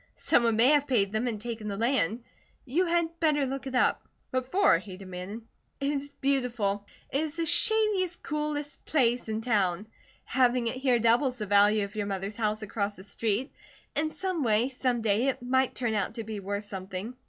"Someone may have paid them and taken the land. You had better look it up." "What for?" he demanded. "It is beautiful. It is the shadiest, coolest place in town. Having it here doubles the value of your mother's house across the street. In some way, some day, it might turn out to be worth something."